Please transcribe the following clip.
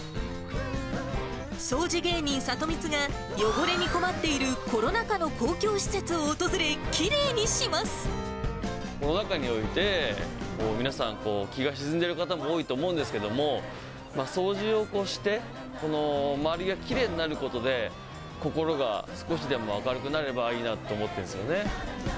掃除芸人、サトミツが汚れに困っているコロナ禍の公共施設を訪れ、きれいにコロナ禍において、皆さんこう、気が沈んでいる方も多いと思うんですけれども、掃除をして、周りがきれいになることで、心が少しでも明るくなればいいなと思ってるんですよね。